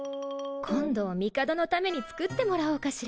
今度帝のために作ってもらおうかしら。